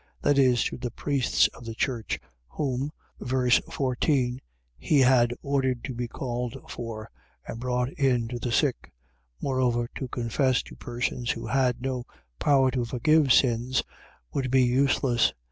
. .That is, to the priests of the church, whom (ver.14) he had ordered to be called for, and brought in to the sick; moreover, to confess to persons who had no power to forgive sins, would be useless.